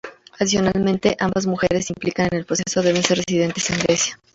Adicionalmente ambas mujeres implicadas en el proceso deben ser residentes en Grecia.